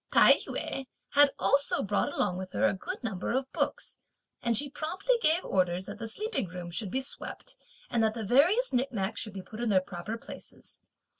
Tai yü had also brought along with her a good number of books, and she promptly gave orders that the sleeping rooms should be swept, and that the various nicknacks should be put in their proper places.